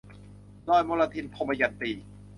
รอยมลทิน - ทมยันตี